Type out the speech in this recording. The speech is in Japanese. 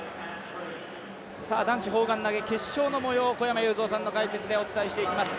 男子砲丸投決勝のもよう、小山裕三さんの解説でお伝えしていきます。